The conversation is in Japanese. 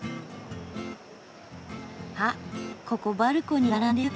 あっここバルコニーが並んでる。